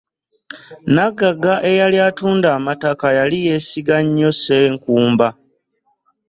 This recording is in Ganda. Nagagga eyali atunda amataka yali yeesiga nnyo ssenkumba.